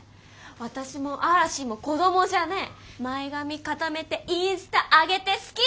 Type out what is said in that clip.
私も嵐も子供じゃねー前髪固めてインスタあげて好きでやってんでしょ？